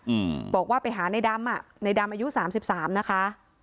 อืมบอกว่าไปหาในดำอ่ะในดำอายุสามสิบสามนะคะ